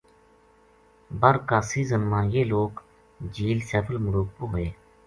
بَر کا سیزن ما یہ لوک جھیل سیف الملوک پو ہوئے